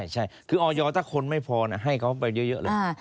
ใช่คือออยถ้าคนไม่พอให้เขาไปเยอะเลย